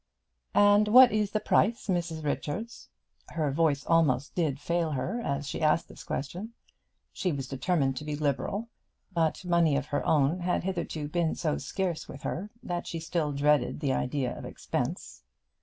"And what is the price, Mrs Richards?" Her voice almost did fail her as she asked this question. She was determined to be liberal; but money of her own had hitherto been so scarce with her that she still dreaded the idea of expense.